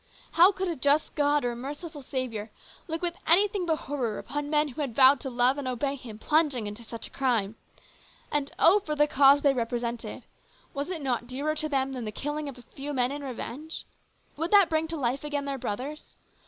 How could a just God or a merciful Saviour look with anything but horror upon men who had vowed to love and obey Him, plunging into such a crime ? And, oh, for the cause they represented ! Was it not dearer to them than the killing of a few men in revenge ? Would that bring to life again their brothers?